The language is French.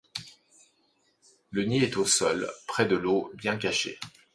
Le nid est au sol, près de l'eau, bien caché.